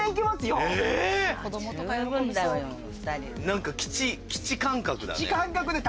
何か基地基地感覚だね。